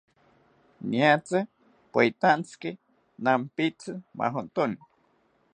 Niatzi poyitantziki nampitzi majontoni